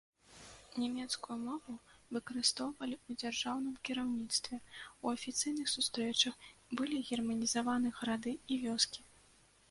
Нямецкую мову выкарыстоўвалі ў дзяржаўным кіраўніцтве, у афіцыйных сустрэчах, былі германізаваны гарады і вёскі.